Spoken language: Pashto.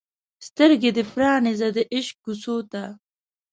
سترګې دې پرانیزه د عشق کوڅو ته